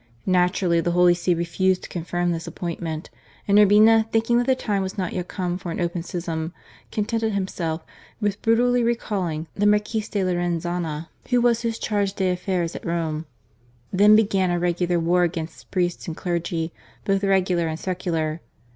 Naturally the Holy See refused to confirm this appointment, and Urbina, thinking that the time was not yet come for an open schism, contented himself with brutally recalling the Marquis de Loren zana, who was his Charge d'Affaires at Rome. Then began a regular war against priests and clergy, both regular and secular.